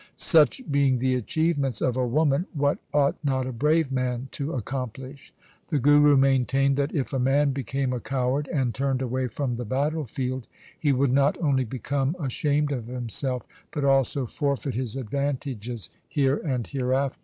Such being the achievements of a woman, what ought not a brave man to accomplish ? The Guru maintained that if a man became a coward and turned away from the battle field, he would not only become ashamed of himself, but also forfeit his advantages here and hereafter.